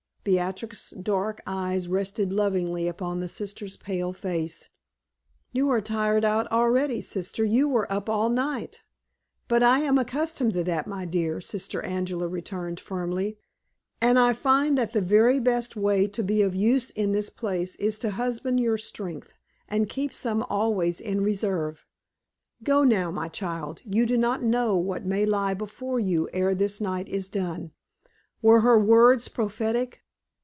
Beatrix's dark eyes rested lovingly upon the sister's pale face. "You are tired out already, sister; you were up all night." "But I am accustomed to that, my dear," Sister Angela returned, firmly; "and I find that the very best way to be of use in this place is to husband your strength, and keep some always in reserve. Go now, my child. You do not know what may lie before you ere this night is done." Were her words prophetic?